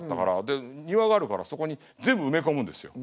で庭があるからそこに全部埋め込むんですよ。